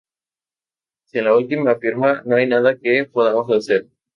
Sin la última firma no hay nada que podamos hacer.